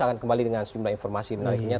akan kembali dengan sejumlah informasi dan akhirnya